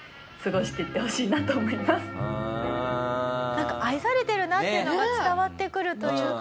なんか愛されてるなっていうのが伝わってくるというか。